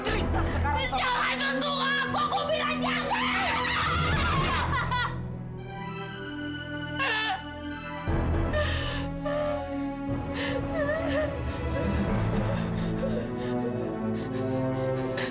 jangan sentuh aku aku bilang jangan